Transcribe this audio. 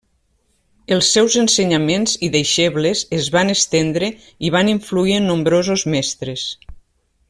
Els seus ensenyaments i deixebles es van estendre i van influir en nombrosos mestres.